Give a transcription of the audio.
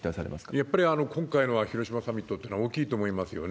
やっぱり今回の広島サミットっていうのは大きいと思いますよね。